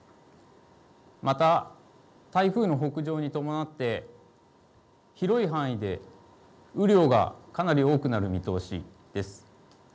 また台風の北上に伴って広い範囲で雨量がかなり多くなる見通しです。